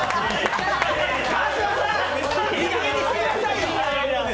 川島さん、いいかげんにしてくださいよ。